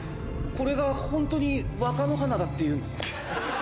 これがホントに若乃花だっていうの？